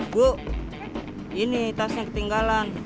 bu ini tasnya ketinggalan